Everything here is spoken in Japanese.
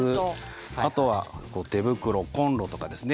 あとは手袋コンロとかですね